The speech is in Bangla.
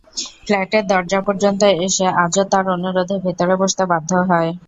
ফ্ল্যাটের দরজা পর্যন্ত এসে আজও তাঁর অনুরোধে ভেতরে বসতে বাধ্য হয়।